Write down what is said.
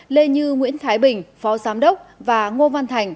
lê như nguyễn thái bình phó giám đốc và ngô văn thành